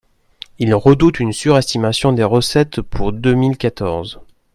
Il redoute une surestimation des recettes pour deux mille quatorze.